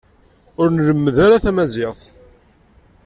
Ur nlemmed ara tamaziɣt.